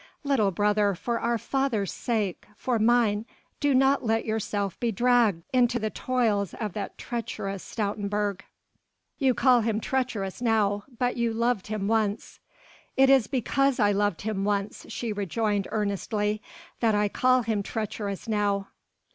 Little brother, for our father's sake, for mine, do not let yourself be dragged into the toils of that treacherous Stoutenburg." "You call him treacherous now, but you loved him once." "It is because I loved him once," she rejoined earnestly, "that I call him treacherous now."